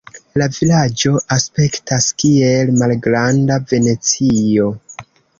La vilaĝo aspektas kiel malgranda Venecio.